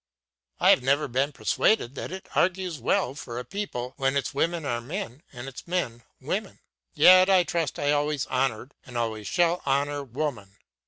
I have never been persuaded that it argues well for a people when its women are men and its men women. Yet I trust I have always honored and always shall honor woman.